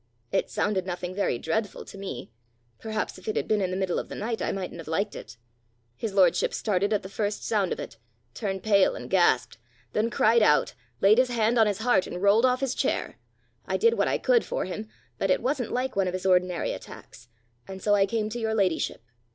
It sounded nothing very dreadful to me; perhaps if it had been in the middle of the night, I mightn't have liked it. His lordship started at the first sound of it, turned pale and gasped, then cried out, laid his hand on his heart, and rolled off his chair. I did what I could for him, but it wasn't like one of his ordinary attacks, and so I came to your ladyship.